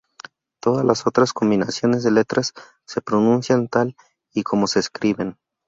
Todas las otras combinaciones de letras se pronuncian tal y como se escriben.